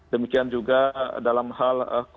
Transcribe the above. demikian juga dalam hal koronasi teknis lainnya